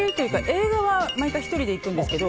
映画は毎回、１人で行くんですけど。